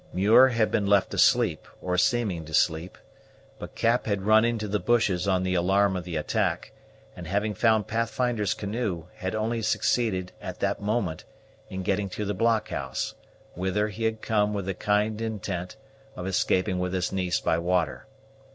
Muir had been left asleep, or seeming to sleep; but Cap had run into the bushes on the alarm of the attack, and having found Pathfinder's canoe, had only succeeded, at that moment, in getting to the blockhouse, whither he had come with the kind intent of escaping with his niece by water.